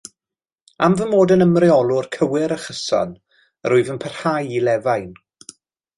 Am fy mod yn Ymreolwr cywir a chyson, yr wyf yn parhau i lefain.